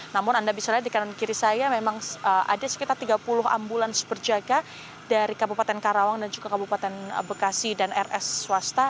namun anda bisa lihat di kanan kiri saya memang ada sekitar tiga puluh ambulans berjaga dari kabupaten karawang dan juga kabupaten bekasi dan rs swasta